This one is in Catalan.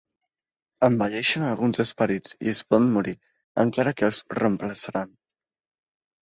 Envelleixen alguns Esperits i es poden morir, encara que es reemplaçaran.